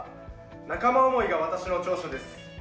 仲間思いが私の長所です。